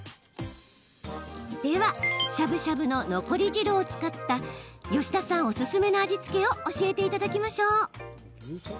ではしゃぶしゃぶの残り汁を使った吉田さんおすすめの味付けを教えていただきましょう。